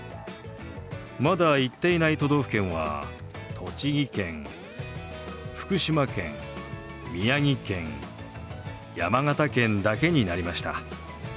まだ行っていない都道府県は栃木県福島県宮城県山形県だけになりました。